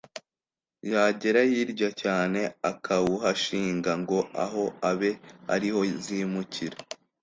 yagera hirya cyane, akawuhashinga, ngo aho abe ariho zimukira